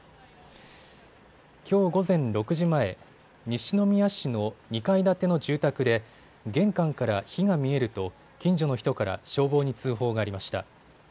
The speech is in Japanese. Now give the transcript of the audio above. きょう午前６時前、西宮市の２階建ての住宅で玄関から火が見えると近所の人から消防に通報がありました。